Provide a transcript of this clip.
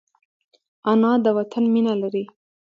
انا د وطن مینه لري